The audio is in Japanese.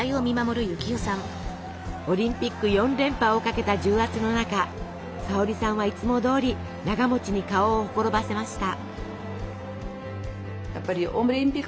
オリンピック４連覇をかけた重圧の中沙保里さんはいつもどおりながに顔をほころばせました。